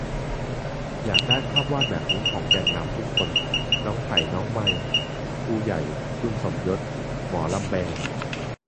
อยากได้ภาพวาดแบบนี้ของแกนนำทุกคน น้องไผ่ น้องไมร์ ครูใหญ่ คุณสมยศ หมอลำแบง